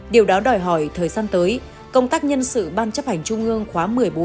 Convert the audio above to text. điều đó đòi hỏi thời gian tới công tác nhân sự ban chấp hành trung ương khóa một mươi bốn